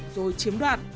rồi chiếm đoạt